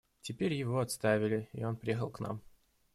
Теперь его отставили, и он приехал к нам.